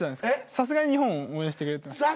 さすがに日本応援してくれてました？